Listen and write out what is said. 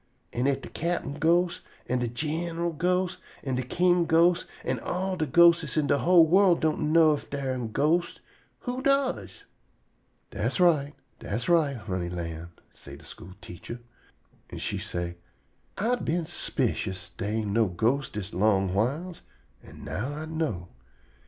An' if de cap'n ghost an' de gin'ral ghost an' de king ghost an' all de ghostes in de whole worl' don' know ef dar am ghostes, who does?" "Das right; das right, honey lamb," say de school teacher. An' she say: "I been s'picious dey ain' no ghostes dis long whiles, an' now I know.